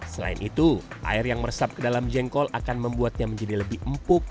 selain itu air yang meresap ke dalam jengkol akan membuatnya menjadi lebih empuk